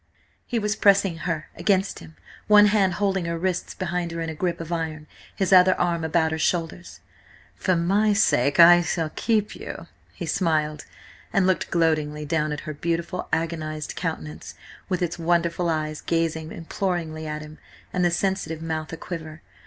He was pressing her against him, one hand holding her wrists behind her in a grip of iron, his other arm about her shoulders. "For my own sake I will keep you," he smiled, and looked gloatingly down at her beautiful, agonised countenance, with its wonderful eyes gazing imploringly at him, and the sensitive mouth a quiver.